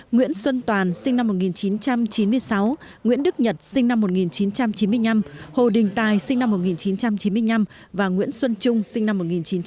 nguyễn xuân toàn sinh năm một nghìn chín trăm chín mươi sáu nguyễn đức nhật sinh năm một nghìn chín trăm chín mươi năm hồ đình tài sinh năm một nghìn chín trăm chín mươi năm và nguyễn xuân trung sinh năm một nghìn chín trăm chín mươi